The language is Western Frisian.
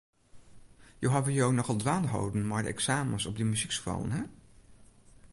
Jo hawwe jo nochal dwaande holden mei de eksamens op dy muzykskoallen, hin.